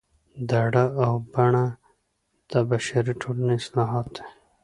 دړه او بنه د بشري ټولنې اصطلاحات دي